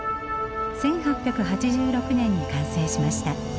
１８８６年に完成しました。